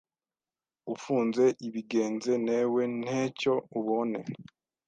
ufunze ibigenze newe ntecyo ubone